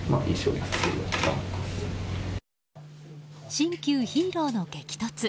新旧ヒーローの激突。